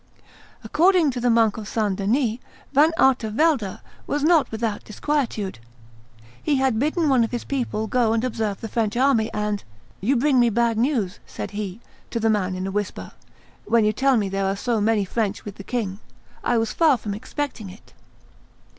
According to the monk of St. Denis, Van Artevelde was not without disquietude. He had bidden one of his people go and observe the French army; and, "You bring me bad news," said he to the man in a whisper, "when you tell me there are so many French with the king: I was far from expecting it.